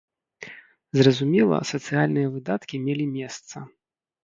Зразумела, сацыяльныя выдаткі мелі месца.